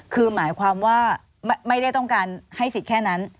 คือหมายความว่าไม่ได้ต้องการให้สิทธิ์แค่นั้น